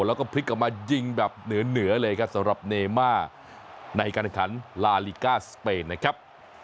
แล้วก็พลิกกลับมายิงแบบเหนือเลยครับสำหรับเนม่าในการแข่งขันลาลิก้าสเปนนะครับ